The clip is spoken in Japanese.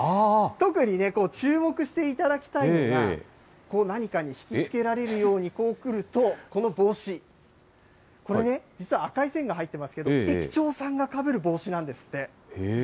特に注目していただきたいのが、何かに引きつけられるようにこうくると、この帽子、これね、実は赤い線が入ってまして、駅長さんがかぶる帽子なんですって。